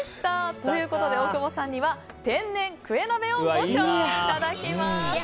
ということで大久保さんには天然クエ鍋をご賞味いただきます。